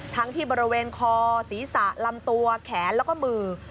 ทั้งที่บริเวณคอศีรษะลำตัวแขนแล้วก็มือ